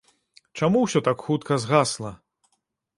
Чаму ўсё так хутка згасла?